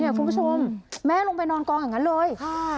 คุณผู้ชมแม่ลงไปนอนกองอย่างนั้นเลยค่ะ